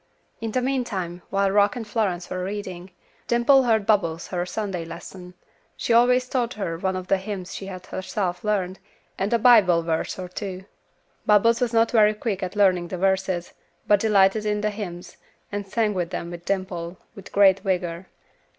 In the meantime, while Rock and Florence were reading, Dimple heard Bubbles her Sunday lesson. She always taught her one of the hymns she had herself learned, and a Bible verse or two. Bubbles was not very quick at learning the verses, but delighted in the hymns, and sang them with Dimple, with great vigor.